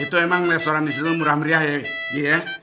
itu emang restoran di sini murah meriah ya ji ya